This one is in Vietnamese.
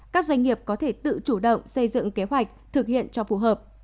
các doanh nghiệp có thể tự chủ động xây dựng kế hoạch thực hiện cho phù hợp